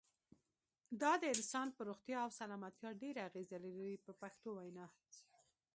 دا د انسان پر روغتیا او سلامتیا ډېره اغیزه لري په پښتو وینا.